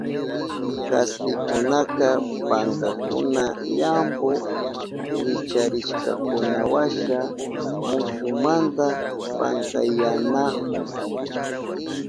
Kaspikunaka pankankuna llampu wicharishkankunawasha mushumanta pankayanahun.